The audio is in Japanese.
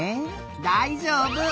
だいじょうぶ！